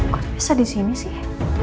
kok bisa disini sih